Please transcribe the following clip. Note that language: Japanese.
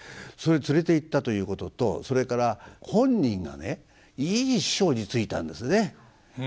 それ連れていったということとそれから本人がねいい師匠についたんですね。